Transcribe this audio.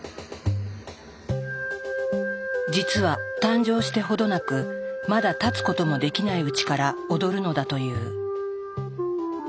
実は誕生して程なくまだ立つこともできないうちから踊るのだという。